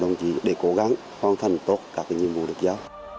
đồng chí để cố gắng hoàn thành tốt các nhiệm vụ được giao